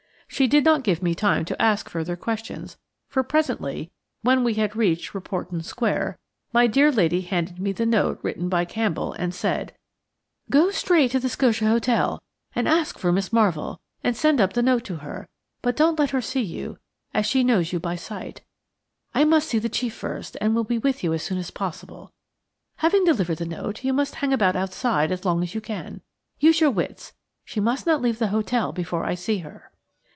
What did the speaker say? She did not give me time to ask further questions, for presently, when we had reached Reporton Square, my dear lady handed me the note written by Campbell, and said: "Go straight on to the Scotia Hotel, and ask for Miss Marvell; send up the note to her, but don't let her see you, as she knows you by sight. I must see the chief first, and will be with you as soon as possible. Having delivered the note, you must hang about outside as long as you can. Use your wits; she must not leave the hotel before I see her."